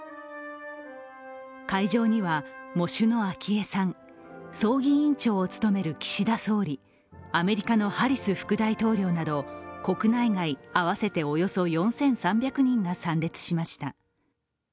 会場には、喪主の昭恵さん、葬儀委員長を務める岸田総理、アメリカのハリス副大統領など国内外合わせておよそ４３００人が参列しました。